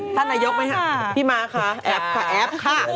ท่านนายกไม่หันกาด